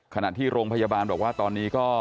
ขณะที่โรงพยาบาลบอกว่าตอนนี้ก็